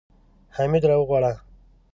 حميد راوغواړه.